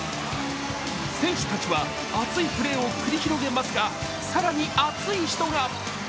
選手たちは熱いプレーを繰り広げますが、更に熱い人が。